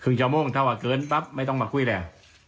ครึ่งเช้าโมงเท่าอ่ะเกินปั๊บไม่ต้องมาคุยเลย